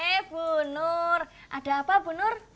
eh bu nur ada apa bu nur